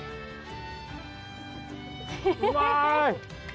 うまい！